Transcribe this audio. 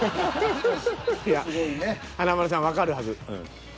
いや華丸さんわかるはず。